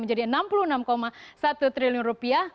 menjadi enam puluh enam satu triliun rupiah